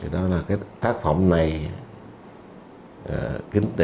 đó là cái tác phẩm này kính đề tặng